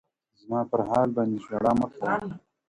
زما پر حال باندي ژړا مـــــــــه كـــــــــــوه.